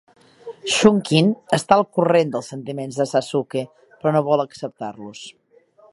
Shunkin està al corrent dels sentiments de Sasuke, però no vol acceptar-los.